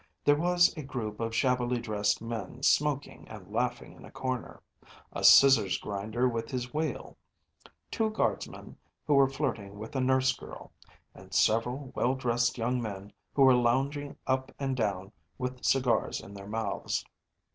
There was a group of shabbily dressed men smoking and laughing in a corner, a scissors grinder with his wheel, two guardsmen who were flirting with a nurse girl, and several well dressed young men who were lounging up and down with cigars in their mouths.